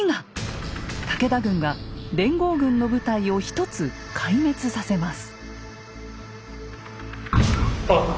武田軍が連合軍の部隊を１つ壊滅させます。